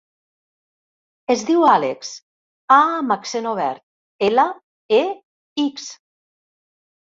Es diu Àlex: a amb accent obert, ela, e, ics.